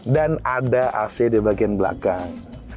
dan ada ac di bagian belakang